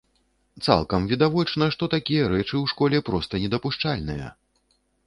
Цалкам відавочна, што такія рэчы ў школе проста недапушчальныя!